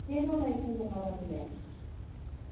Tiene una hija llamada Milena.